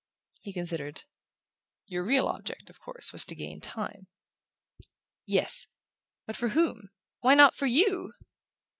He considered. "Your real object, of course, was to gain time." "Yes but for whom? Why not for YOU?"